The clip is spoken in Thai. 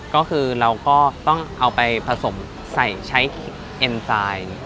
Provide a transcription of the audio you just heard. ก็คือเราก็ต้องเอาไปผสมใส่ใช้เอ็นไซด์